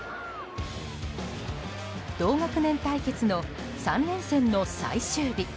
同学年対決の３連戦の最終日。